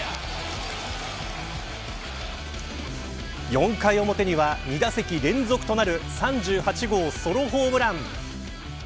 ４回表には２打席連続となる３８号ソロホームラン。